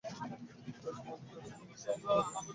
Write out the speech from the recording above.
রাসমণির কাছে কোনো উৎসাহ না পাওয়াতে ভোজটা বন্ধ রহিল।